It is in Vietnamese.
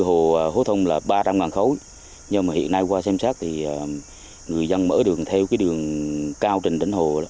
hồ hố thông là ba trăm linh khối nhưng mà hiện nay qua xem xét thì người dân mở đường theo cái đường cao trên đỉnh hồ